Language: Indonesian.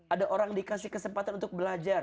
ada orang dikasih kesempatan untuk belajar